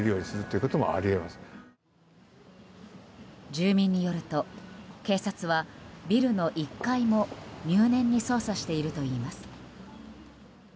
住民によると、警察はビルの１階も入念に捜査しているといいます。